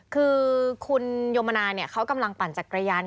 คือคุณโยมนาเขากำลังปั่นจักรยาน